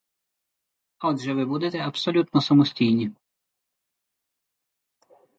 Отже, ви будете абсолютно самостійні.